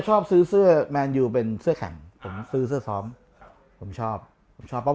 ชอบซื้อเสื้อแมนยูเป็นเสื้อแข็งผมซื้อเสื้อซ้อมผมชอบผมชอบ